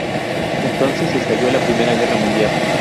Entonces estalló la Primera Guerra Mundial.